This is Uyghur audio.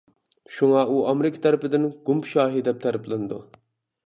شۇڭا ئۇ ئامېرىكا تەرىپىدىن «گۇمپا شاھى» دەپ تەرىپلىنىدۇ.